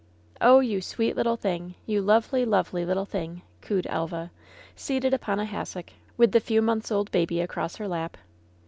"Oh, you sweet little thing! You lovely, lovely little thing !'' cooed Elva, seated upon a hassock, with the few months old baby across her lap.